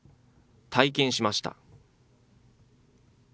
体験しました。